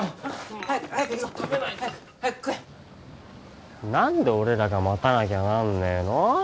早く早く行くぞ早く早く食え食べないと何で俺らが待たなきゃなんねえの？